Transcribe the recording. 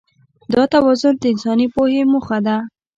دا توازن د انساني پوهې موخه ده.